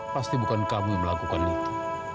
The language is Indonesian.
pasti bukan kami yang melakukan itu